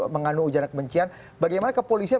mengandung ujaran kebencian bagaimana kepolisian